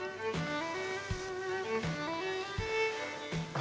あ！